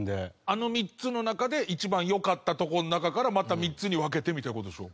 あの３つの中で一番良かったところの中からまた３つに分けてみたいな事でしょ？